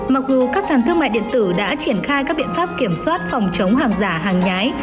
mặc dù các sàn thương mại điện tử đã triển khai các biện pháp kiểm soát phòng chống hàng giả hàng nhái